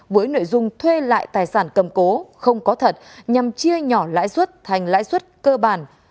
với nội dung thuê lại tài sản cầm cố không có thật nhằm chia nhỏ lãi suất thành lãi suất cơ bản